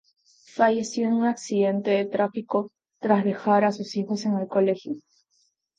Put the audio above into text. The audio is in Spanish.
Falleció en un accidente de tráfico, tras dejar a sus hijos en el colegio.